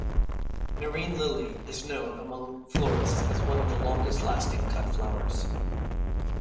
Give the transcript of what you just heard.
Nerine lily is known among florists as one of the longest lasting cut flowers.